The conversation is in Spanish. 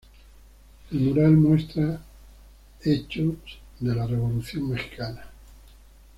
El mural muestra hecho de la Revolución Mexicana.